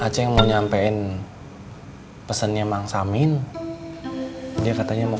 jangan pulang dulu ya mak